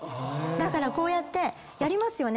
こうやってやりますよね。